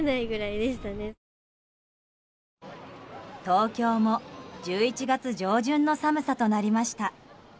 東京も１１月上旬の寒さとなりました。